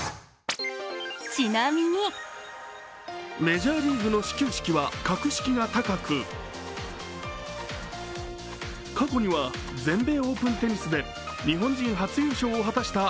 メジャーリーグの始球式は格式が高く過去には全米オープンテニスで日本人初優勝を果たした